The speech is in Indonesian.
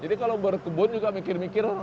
jadi kalau berkebun juga mikir mikir orang itu